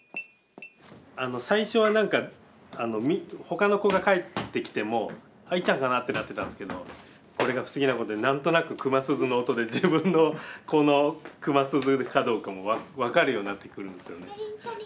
最初は何かほかの子が帰ってきても「いっちゃんかな？」ってなってたんですけどこれが不思議なことに何となく熊鈴の音で自分の子の熊鈴かどうかもわかるようになってくるんですよね。